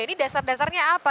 ini dasar dasarnya apa